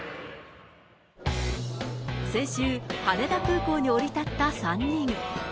先週、羽田空港に降り立った３人。